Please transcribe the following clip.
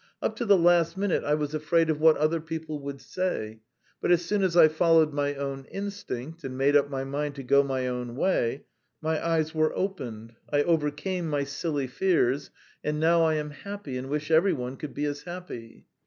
Up to the last minute I was afraid of what other people would say, but as soon as I followed my own instinct and made up my mind to go my own way, my eyes were opened, I overcame my silly fears, and now I am happy and wish every one could be as happy!"